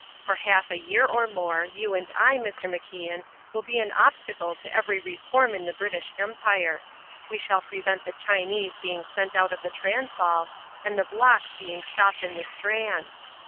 For half a year or more, you and I, Mr. MacIan, will be an obstacle to every reform in the British Empire. We shall prevent the Chinese being sent out of the Transvaal and the blocks being stopped in the Strand.